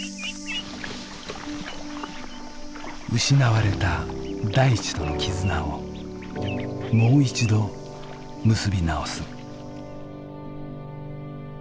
失われた大地との絆をもう一度結び直す。